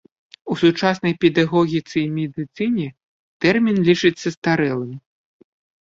У сучаснай педагогіцы і медыцыне тэрмін лічаць састарэлым.